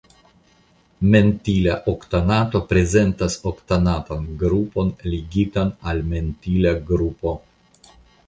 Mentila oktanato prezentas oktanatan grupon ligitan al mentila grupo.